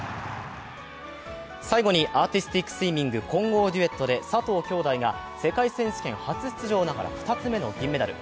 最後にアーティスティックスイミング混合デュエットで佐藤きょうだいが世界選手権初出場ながら２つ目の銀メダル。